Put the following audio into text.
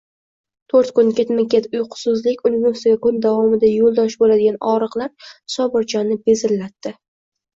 Toʻrt kun ketma-ket uyqusizlik, uning ustiga kun davomida yoʻldosh boʻladigan ogʻriqlar Sobirjonni bezillatdi.